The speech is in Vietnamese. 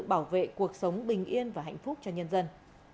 bảo vệ cuộc sống bình yên và hạnh phúc cho nhân dân